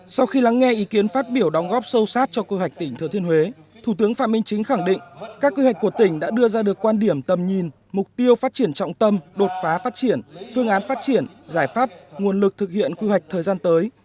sau khi lắng nghe ý kiến phát biểu đóng góp sâu sát cho quy hoạch tỉnh thừa thiên huế thủ tướng phạm minh chính khẳng định các quy hoạch của tỉnh đã đưa ra được quan điểm tầm nhìn mục tiêu phát triển trọng tâm đột phá phát triển phương án phát triển giải pháp nguồn lực thực hiện quy hoạch thời gian tới